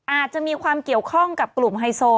อาจจะมีความเกี่ยวข้องกับกลุ่มไฮโซ